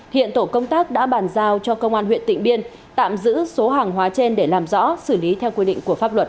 hiện tổ công tác đã bàn giao cho công an huyện tịnh biên tạm giữ số hàng hóa trên để làm rõ xử lý theo quy định của pháp luật